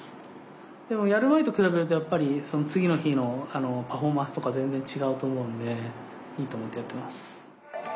でもやる前と比べるとやっぱり次の日のパフォーマンスとか全然違うと思うんでいいと思ってやってます。